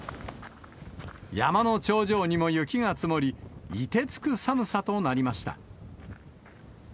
山の頂上にも雪が積もり、いてつく寒さとなりました。